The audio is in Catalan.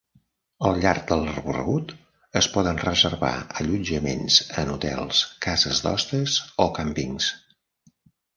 Al llarg del recorregut es poden reservar allotjaments en hotels, cases d'hostes o càmpings.